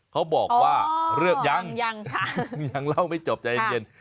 เขาบอกว่าเรียบยังยังเล่าไม่จบใจเย็น